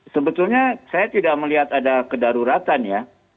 sebetulnya saya tidak melihat ada kedaruratan ya